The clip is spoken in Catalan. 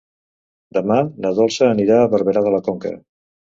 Demà na Dolça anirà a Barberà de la Conca.